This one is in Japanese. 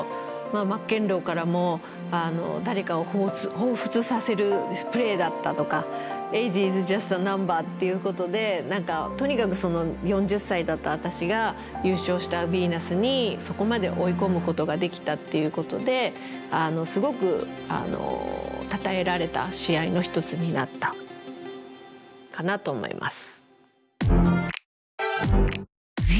マッケンローからも誰かを彷彿させるプレーだったとか。っていうことでとにかく４０歳だった私が優勝したビーナスにそこまで追い込むことができたっていうことですごくたたえられた試合の一つになったかなと思います。